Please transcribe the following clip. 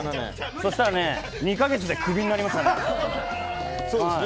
そうしたら２か月でクビになりました。